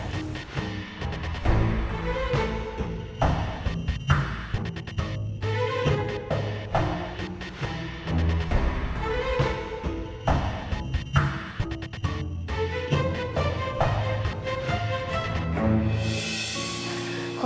kita ada tugas